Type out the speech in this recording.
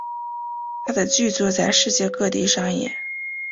他的剧作在世界各地上演。